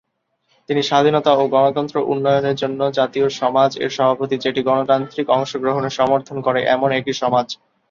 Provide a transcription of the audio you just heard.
তিনি "স্বাধীনতা ও গণতন্ত্র উন্নয়নের জন্য জাতীয় সমাজ" এর সভাপতি, যেটি গণতান্ত্রিক অংশগ্রহণে সমর্থন করে এমন একটি সমাজ।